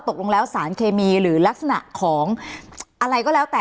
ตกลงแล้วสารเคมีหรือลักษณะของอะไรก็แล้วแต่